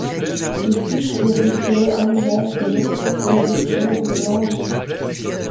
Il fixe le budget annuel de l'Autorité du Grand Londres.